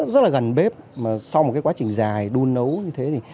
rất là gần bếp mà sau một cái quá trình dài đun nấu như thế thì